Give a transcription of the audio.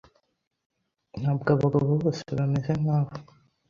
Ntabwo abagabo boe bameze nkabo